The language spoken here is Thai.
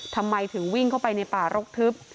ทำไมถึงวิ่งเข้าไปในป่ารกทึบ